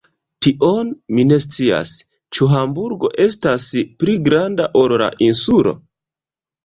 Tion mi ne scias; ĉu Hamburgo estas pli granda ol la Insulo?